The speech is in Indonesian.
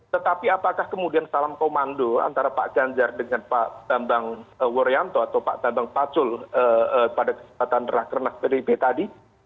tetapi apakah kemudian salam komando antara pak gajar dengan pak dambang wuryanto atau pak dambang pacul pada kesempatan rakeras dpi tadi